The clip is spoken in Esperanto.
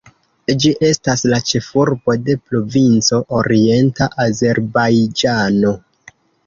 Ĝi estas la ĉefurbo de provinco Orienta Azerbajĝano.